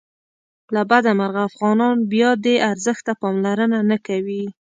له بده مرغه افغانان بیا دې ارزښت ته پاملرنه نه کوي.